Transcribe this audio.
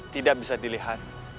tidak bisa dilihat